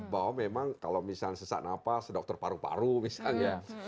bahwa memang kalau misalnya sesak nafas dokter paru paru misalnya